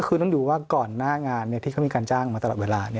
คือต้องดูว่าก่อนหน้างานที่เขามีการจ้างมาตลอดเวลา